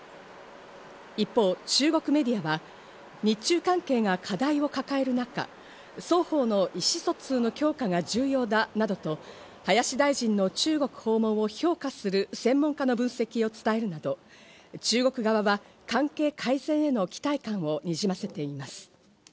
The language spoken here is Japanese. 一方、中国メディアは、日中関係が課題を抱える中、双方の意思疎通の強化が重要だなどと林大臣の中国訪問を評価する専門家の分析を伝えるなど、中国側は関係改善への期待感をにじませています。